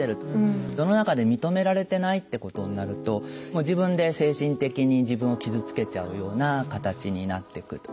世の中で認められてないってことになると自分で精神的に自分を傷つけちゃうような形になっていく。